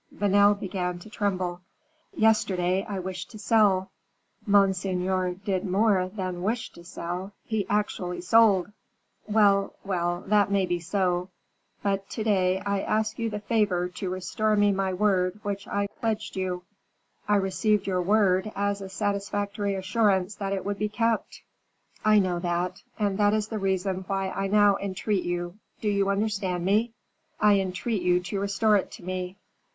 Vanel began to tremble. "Yesterday I wished to sell " "Monseigneur did more than wish to sell, he actually sold." "Well, well, that may be so; but to day I ask you the favor to restore me my word which I pledged you." "I received your word as a satisfactory assurance that it would be kept." "I know that, and that is the reason why I now entreat you; do you understand me? I entreat you to restore it to me."